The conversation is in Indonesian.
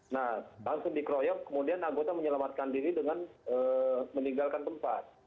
nah langsung dikroyok kemudian anggota menyelamatkan diri dengan meninggalkan tempat